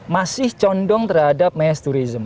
masih condong terhadap mass tourism